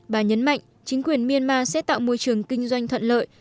bà nhấn mạnh chính quyền myanmar sẽ tạo môi trường kinh doanh thuận lợi